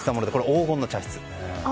黄金の茶室。